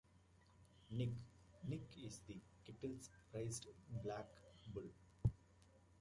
Nick: Nick is the Kettles' prized black bull.